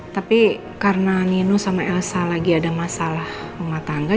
tapi karena nino sama elsa lagi ada masalah rumah tangga